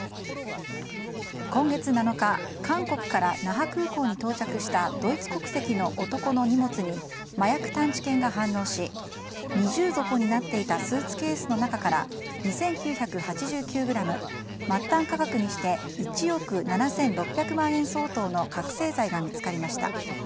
今月７日韓国から那覇空港に到着したドイツ国籍の男の荷物に麻薬探知犬が反応し二重底になっていたスーツケースの中から２９８９ｇ、末端価格にして１億７６００万円相当の覚醒剤が見つかりました。